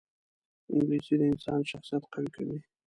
انګلیسي د انسان شخصیت قوي کوي